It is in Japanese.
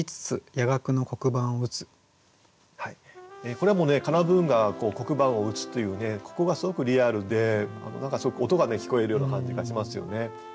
これはもうねカナブンが黒板を打つというここがすごくリアルで何かすごく音が聞こえるような感じがしますよね。